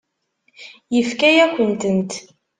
Yefka-yakent-tent.